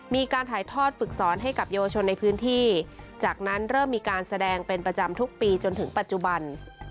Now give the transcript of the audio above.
มีการถ่ายทอดฝึกสอนให้กับเยาวชนในพื้นที่จากนั้นเริ่มมีการแสดงเป็นประจำทุกปีจนถึงปัจจุบัน